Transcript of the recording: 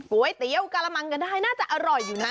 ก๋วยเตี๋ยวกระมังก็ได้น่าจะอร่อยอยู่นะ